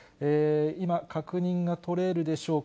今、確認が取れるでしょうか。